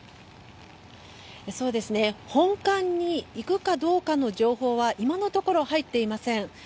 本館に行くかどうかの情報は今のところ入っていません。